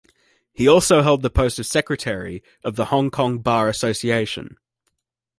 He also held the post of secretary of the Hong Kong Bar Association.